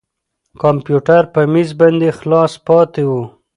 کمپیوټر په مېز باندې خلاص پاتې و.